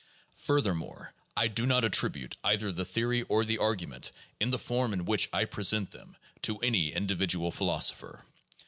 Furthermore, I do not attribute either the theory or the argument, in the form in which I present them, to any individual philosopher.